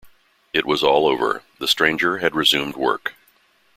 It was all over; the stranger had resumed work.